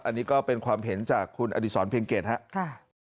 อันนี้ก็เป็นความเห็นจากคุณอดีศรเพียงเกตครับ